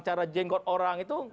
cara jenggot orang itu